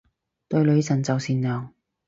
對女神就善良